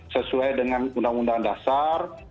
sesuai dengan undang undang dasar